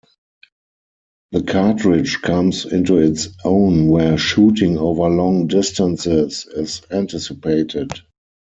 The cartridge comes into its own where shooting over long distances is anticipated.